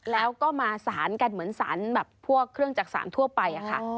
แล้วก็มาสารกันเหมือนสารแบบพวกเครื่องจักษานทั่วไปค่ะ